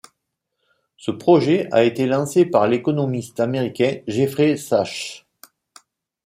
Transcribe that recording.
Ce projet a été lancé par l'économiste américain Jeffrey Sachs.